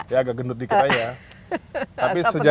ya agak gendut dikit aja